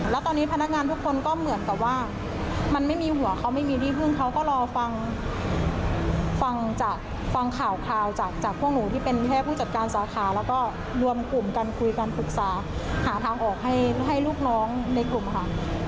แล้วตอนนี้พนักงานทุกคนก็เหมือนกับว่ามันไม่มีหัวเขาไม่มีที่พึ่งเขาก็รอฟังจากฟังข่าวจากพวกหนูที่เป็นแค่ผู้จัดการสาขาแล้วก็รวมกลุ่มกันคุยกันปรึกษาหาทางออกให้ลูกน้องในกลุ่มค่ะ